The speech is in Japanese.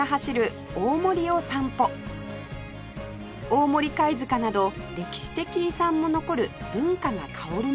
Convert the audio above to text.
大森貝塚など歴史的遺産も残る文化が薫る